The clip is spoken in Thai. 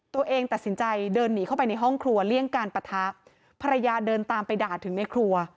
ตัวเองตัดสินใจเดินหนีเข้าไปในห้องครัวเลี่ยงการปะทะภรรยาเดินตามไปด่าถึงในครัว